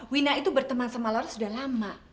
wina itu berteman sama larut sudah lama